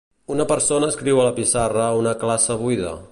Una persona escriu a la pissarra a una classe buida.